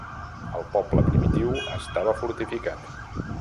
El poble primitiu estava fortificat.